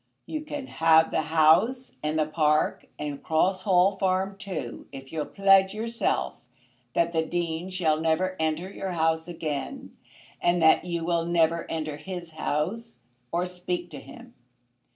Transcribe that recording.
"You can have the house and the park, and Cross Hall Farm, too, if you'll pledge yourself that the Dean shall never enter your house again, and that you will never enter his house or speak to him.